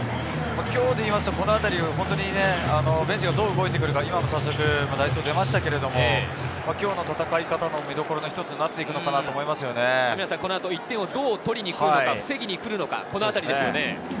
今日でいうと、ベンチがどう動いてくるか、今も早速、代走が出ましたが今日の戦い方の見どころの一つになってくるのかなと思このあと１点をどう取りに行くのか、防ぎに行くのか、このあたりですね。